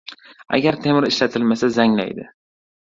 Agar temir ishlatilmasa, zanglaydi.